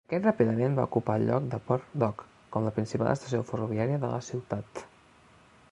Aquest ràpidament va ocupar el lloc de Port Dock com la principal estació ferroviària de la ciutat.